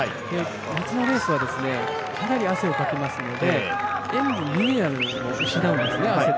夏のレースはかなり汗をかきますので、汗とともにミネラルを失うんですよね。